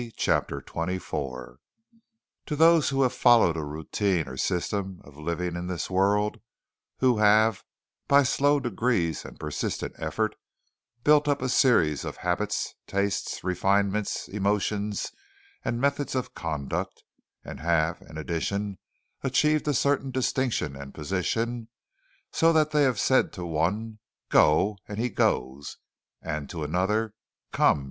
CHAPTER XXIV To those who have followed a routine or system of living in this world who have, by slow degrees and persistent effort, built up a series of habits, tastes, refinements, emotions and methods of conduct, and have, in addition, achieved a certain distinction and position, so that they have said to one "Go!" and he goes, and to another "Come!"